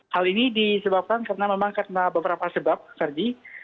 hal ini disebabkan karena memang karena beberapa sebab verdi